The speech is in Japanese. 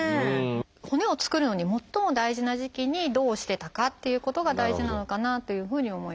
骨を作るのに最も大事な時期にどうしてたかっていうことが大事なのかなというふうに思います。